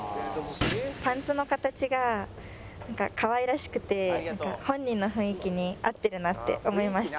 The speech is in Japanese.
パンツの形がなんか可愛らしくて本人の雰囲気に合ってるなって思いました。